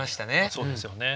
そうですよね。